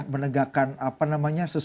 menegakkan sesuatu yang baik